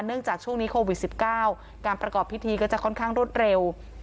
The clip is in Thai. จากช่วงนี้โควิด๑๙การประกอบพิธีก็จะค่อนข้างรวดเร็ว